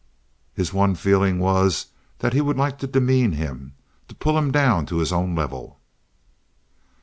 His one feeling was that he would like to demean him, to pull him down to his own level.